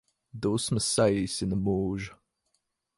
Dusmas saīsina mūžu